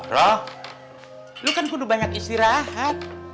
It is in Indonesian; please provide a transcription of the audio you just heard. roh lu kan kudu banyak istirahat